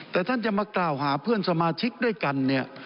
แต่ท่านจะมากล่าวหาเพื่อนสมาชิกด้วยกันเนี่ย